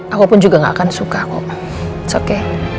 aku pun juga gak akan suka kok it's okay